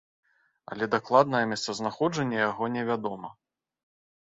Але дакладнае месцазнаходжанне яго не вядома.